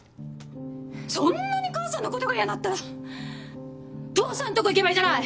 そんなに母さんのことが嫌だったら父さんとこ行けばいいじゃない！